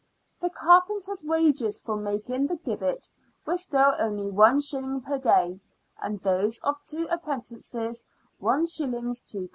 The carpenter's wages for making the gibbet were still only one shilling per day, and those of two apprentices is. 2d.